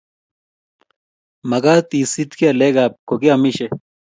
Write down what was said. Magat isiit kelekab, kogeamishe